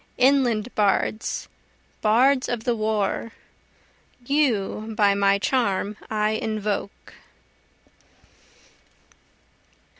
inland bards bards of the war! You by my charm I invoke.